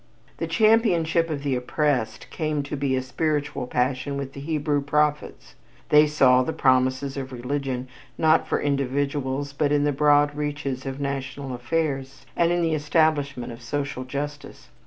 The championship of the oppressed came to be a spiritual passion with the Hebrew prophets. They saw the promises of religion, not for individuals but in the broad reaches of national affairs and in the establishment of social justice.